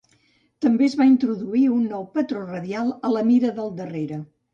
També es va introduir un nou patró radial a la mira del darrere.